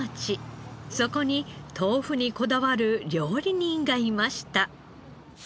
そこに豆腐にこだわる料理人がいました。